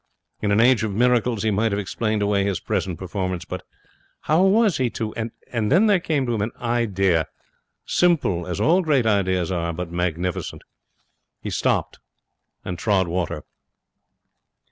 In an age of miracles he might have explained away his present performance; but how was he to And then there came to him an idea simple, as all great ideas are, but magnificent. He stopped and trod water.